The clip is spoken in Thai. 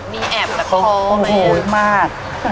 มีแอบนะพ่อโค้งหูนมาก